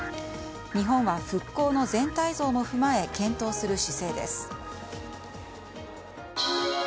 日本は、復興の全体像も踏まえ検討する姿勢です。